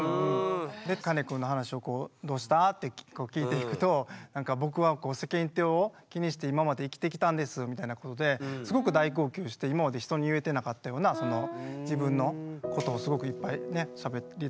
でカネくんの話をどうした？って聞いていくと「僕は世間体を気にして今まで生きてきたんです」みたいなことですごく大号泣して今まで人に言えてなかったような自分のことをすごくいっぱいしゃべりだしたんだよね。